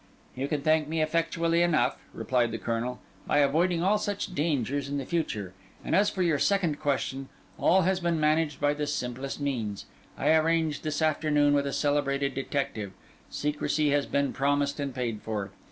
"You can thank me effectually enough," replied the Colonel, "by avoiding all such dangers in the future. And as for your second question, all has been managed by the simplest means. I arranged this afternoon with a celebrated detective. Secrecy has been promised and paid for.